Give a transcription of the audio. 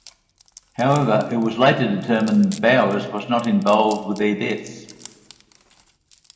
However, it was later determined that Bowers was not involved with their deaths.